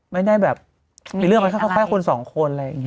ไม่ได้แบบเป็นเรื่องให้คุณสองคนอะไรอย่างนี้